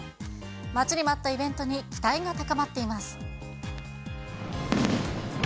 待ちに待ったイベントに期待が高まっています。